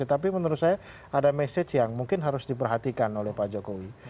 tapi menurut saya ada message yang mungkin harus diperhatikan oleh pak jokowi